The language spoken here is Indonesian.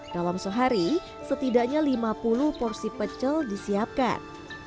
dalam sehari setidaknya lima puluh porsi pecel disiapkan